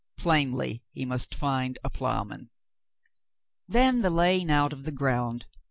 Plainly he must find a ploughman. Then the laying out of the ground